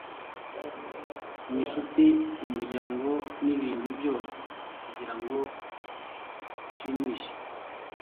ninshuti, umuryango, nibintu byose kugirango ushimishe